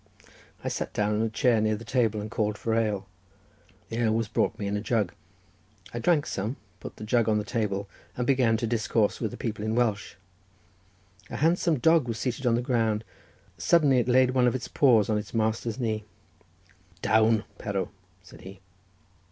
I sat down on a chair near the table, and called for ale—the ale was brought me in a jug—I drank some, put the jug on the table, and began to discourse with the people in Welsh—a handsome dog was seated on the ground; suddenly it laid one of its paws on its master's knee. "Down, Perro," said he.